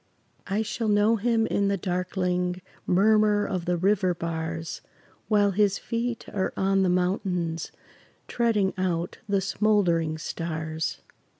I shall know him in the darkling Murmur of the river bars, While his feet are on the mountains Treading out the smoldering stars.